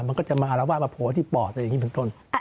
มันก็จะมาอาราวะประโผล่ที่ปอดอะไรแบบนี้เป็นต้น